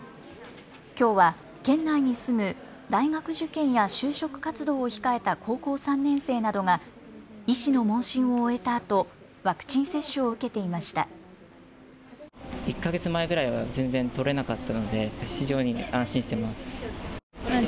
きょうは県内に住む大学受験や就職活動を控えた高校３年生などが医師の問診を終えたあとワクチン接種を受けていました。